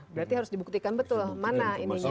berarti harus dibuktikan betul mana ininya